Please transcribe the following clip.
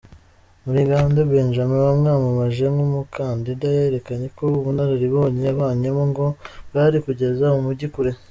Murigande Benjamin wamwamamaje nk’umukandida, yerekanye ko ubunararibonye yavanyemo ngo bwari kugeza umujyi kure.